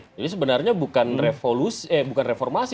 jadi sebenarnya bukan reformasi